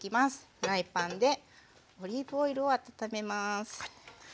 フライパンでオリーブオイルを温めます。